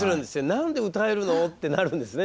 「何で歌えるの？」ってなるんですね